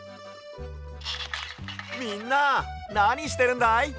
みんななにしてるんだい？